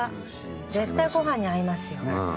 絶対ごはんに合いますよ。